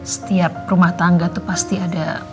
setiap rumah tangga itu pasti ada